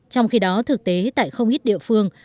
trong khi đó thực tế tại không ít địa phương